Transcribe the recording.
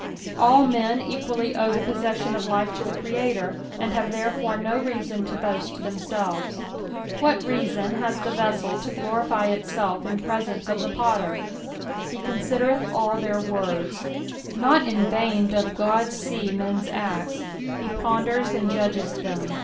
C^ll men equally owe Ihu possession of li(p to the Creator, and have therefore no reason to boast themBelveJ> What reason has the vessel to glorify itself in presence of the potter t " JJeeoneid^r etA all tieir aonU." Not in vain doth God see men's acts : he ponders and judges them.